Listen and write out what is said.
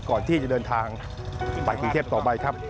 ก่อนที่จะเดินทางไปกรุงเทพต่อไปครับ